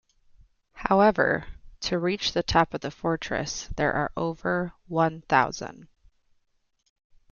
However, to reach the top of the fortress there are over one thousand.